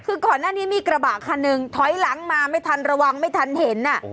คือก่อนหน้านี้มีกระบะคันหนึ่งถอยหลังมาไม่ทันระวังไม่ทันเห็น